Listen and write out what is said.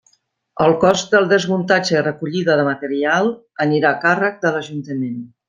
El cost del desmuntatge i recollida de material anirà a càrrec de l'ajuntament.